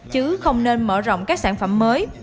chứ không nên mở rộng các sản phẩm mới